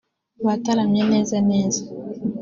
bataramye neza neza